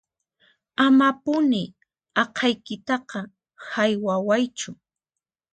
Amapuni aqhaykitaqa haywawaychu